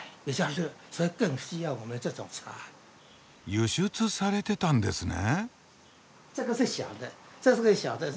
輸出されてたんですね。